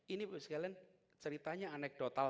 ini sekalian ceritanya anekdotal